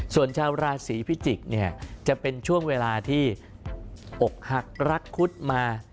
ส่วนชาวราศีพิจิกษ์เนี่ยจะเป็นช่วงเวลาที่อกหักรักคุดมา